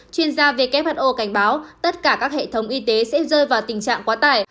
chuyên gia who cảnh báo tất cả các hệ thống y tế sẽ rơi vào tình trạng quá tải